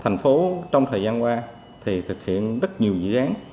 thành phố trong thời gian qua thì thực hiện rất nhiều dự án